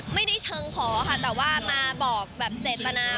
ไม่ได้เชิงขอค่ะแต่ว่ามาบอกแบบเจตนา